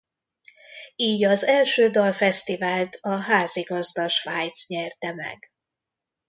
Így az első dalfesztivált a házigazda Svájc nyerte meg.